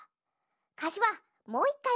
かしわもういっかいおねがい！